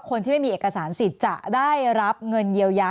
คนที่ไม่มีเอกสารสิทธิ์จะได้รับเงินเยียวยา